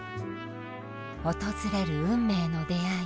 訪れる運命の出会い。